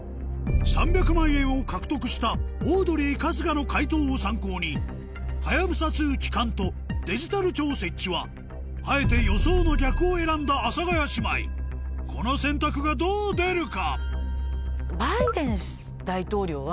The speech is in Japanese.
３００万円を獲得したオードリー・春日の解答を参考にはやぶさ２帰還とデジタル庁設置はあえて予想の逆を選んだ阿佐ヶ谷姉妹この選択がどう出るか？